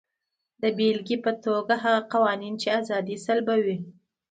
د بېلګې په توګه هغه قوانین چې ازادي سلبوي.